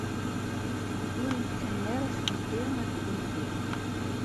Ur yettamen ara s Rebbi akked nnbi.